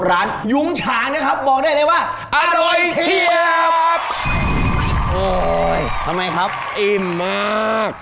ยุ้งฉางนะครับบอกได้เลยว่าอร่อยเชียบโอ้ยทำไมครับอิ่มมาก